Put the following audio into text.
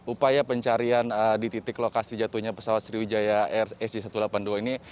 upaya pencarian di titik lokasi jatuhnya pesawat sriwijaya air asia satu ratus delapan puluh dua ini